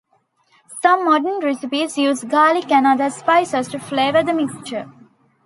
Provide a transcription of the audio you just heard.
Some modern recipes use garlic and other spices to flavour the mixture.